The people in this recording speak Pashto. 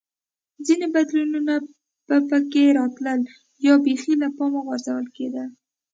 ځیني بدلونونه به په کې راتلل یا بېخي له پامه غورځول کېده